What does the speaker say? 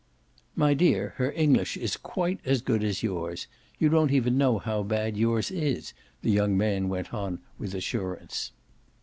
"My dear, her English is quite as good as yours. You don't even know how bad yours is," the young man went on with assurance.